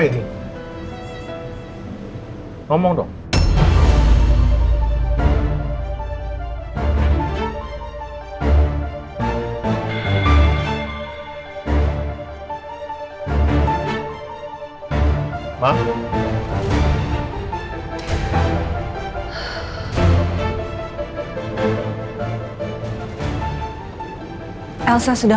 tapi karena kamu nggak penuh